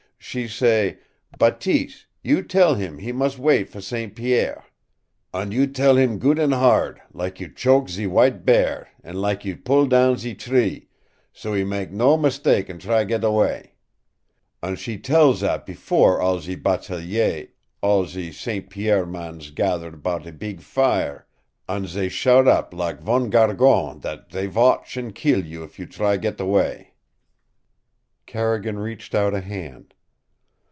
She say: 'Bateese, you tell heem he mus' wait for St. Pierre. An' you tell heem good an' hard, lak you choke ze w'ite bear an' lak you pull down ze tree, so he mak' no meestake an' try get away.' An' she tell zat before all ze BATELIERS all ze St. Pierre mans gathered 'bout a beeg fire an' they shout up lak wan gargon that they watch an' keel you if you try get away." Carrigan reached out a hand.